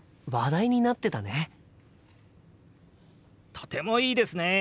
とてもいいですね！